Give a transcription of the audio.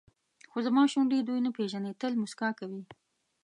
خو زما شونډې دوی نه پېژني تل موسکا کوي.